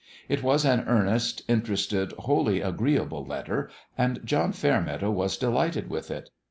It was an earnest, interested, wholly agreeable letter, and John Fair meadow was delighted with it.